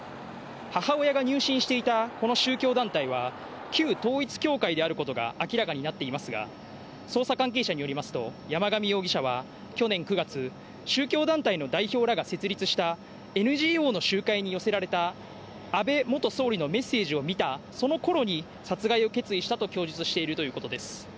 母親が入信していたこの宗教団体は、旧統一教会であることが明らかになっていますが、捜査関係者によりますと、山上容疑者は去年９月、宗教団体の代表らが設立したＮＧＯの集会に寄せられた、安倍元総理のメッセージを見たそのころに、殺害を決意したと供述しているということです。